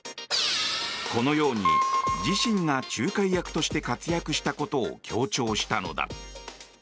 このように自身が仲介役として活躍したことを強調したのだ。